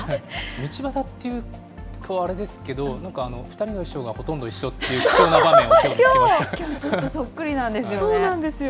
道端っていうと、あれですけど、なんか２人の衣装がほとんど一緒という貴重な場面をきょう見つけきょうちょっとそっくりなんそうなんですよ。